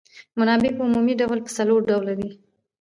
منابع په عمومي ډول په څلور ډوله دي.